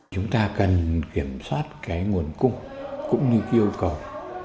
chúng ta cần kiểm soát cái nguồn cung cũng như yêu cầu